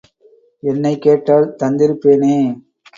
என்னைக் கேட்டால் தந்திருப்பேனே!